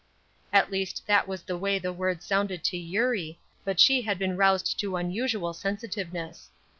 At least that was the way the word sounded to Eurie, but she had been roused to unusual sensitiveness.